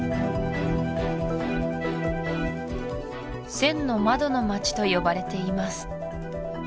千の窓の町と呼ばれています